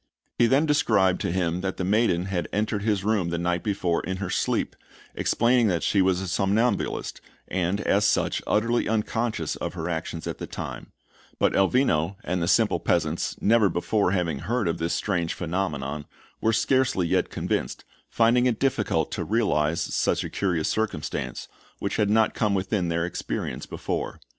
He then described to him that the maiden had entered his room the night before in her sleep, explaining that she was a somnambulist, and, as such, utterly unconscious of her actions at the time; but Elvino and the simple peasants, never before having heard of this strange phenomenon, were scarcely yet convinced, finding it difficult to realize such a curious circumstance, which had not come within their experience before.